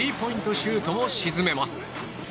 シュートも沈めます。